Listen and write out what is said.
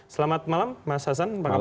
selamat malam mas hasan apa kabar